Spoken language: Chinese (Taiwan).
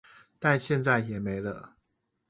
但現在也沒了